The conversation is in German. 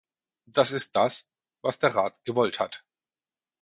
Das ist das, was der Rat gewollt hat.